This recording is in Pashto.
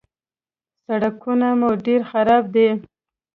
_سړکونه مو ډېر خراب دي.